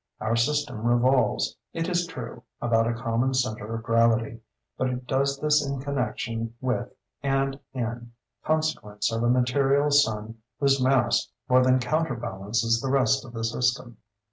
Our system revolves, it is true, about a common centre of gravity, but it does this in connection with and in consequence of a material sun whose mass more than counterbalances the rest of the system.